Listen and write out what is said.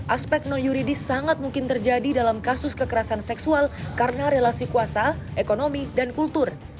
aspek non yuridis sangat mungkin terjadi dalam kasus kekerasan seksual karena relasi kuasa ekonomi dan kultur